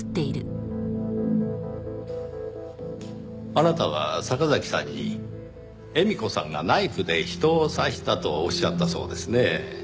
あなたは坂崎さんに絵美子さんがナイフで人を刺したとおっしゃったそうですねぇ。